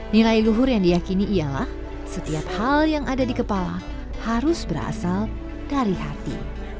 nilai luhur yang diakini ialah setiap hal yang ada di kepala harus berasal dari hati